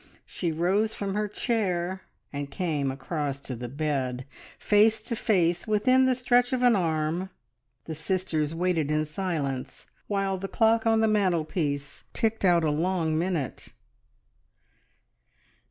She rose from her chair and came across to the bed: face to face, within the stretch of an arm, the sisters waited in silence, while the clock on the mantelpiece ticked out a long minute.